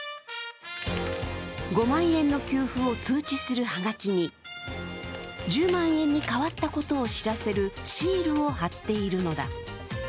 ５万円の給付を通知するはがきに１０万円に変わったことを知らせるシールを貼っているのだ。